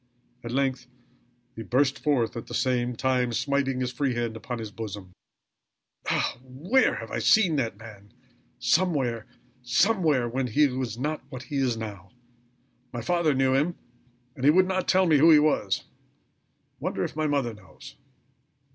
At length he burst forth, at the same time smiting his free hand upon his bosom: "Oh! where where have I seen that man? Somewhere somewhere when he was not what he is now! My father knew him, and would not tell me who he was. I wonder if my mother knows.